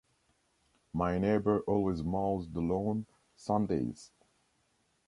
My neighbor always mows the lawn Sunday’s.